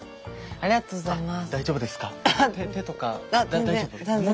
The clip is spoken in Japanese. ありがとうございます。